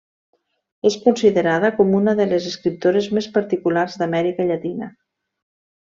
És considerada com una de les escriptores més particulars d'Amèrica Llatina.